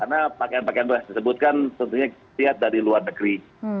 karena pakaian pakaian beras tersebut kan tentunya dilihat dari luar negeri